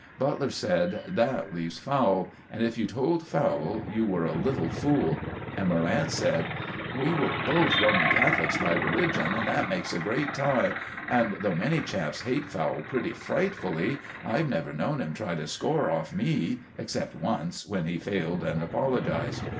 Butler said: "That leaves Fowle; and if you told Fowle you were a little fool." And Morrant said: "We were both Roman Catholics by religion, and that makes a great tie; and though many chaps hate Fowle pretty frightfully, I've never known him try to score off me, except once, when he failed and apologized."